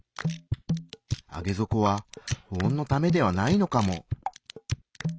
上げ底は保温のためではないのかも。